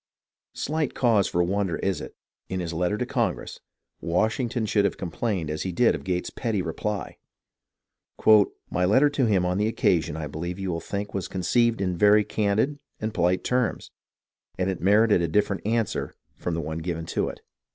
Slight cause for wonder is it that in his letter to Con gress, Washington should have complained as he did of Gates's petty reply. " My letter to him on the occasion, I believe you will think was conceived in ver)^ candid and polite terms, and it merited a different answer from the one given to it."